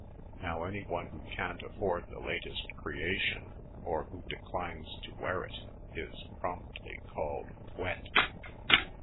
Now, any one who can't afford the latest creation or who declines to wear it is promptly called wet.